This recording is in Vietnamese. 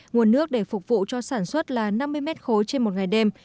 nguồn nước để phục vụ cho sản xuất là năm mươi mét khối trên một ngày đêm